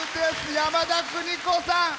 山田邦子さん。